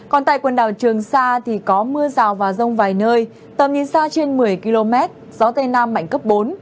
còn tại quần đảo trường sa thì có mưa rào và rông vài nơi tầm nhìn xa trên một mươi km gió tây nam mạnh cấp bốn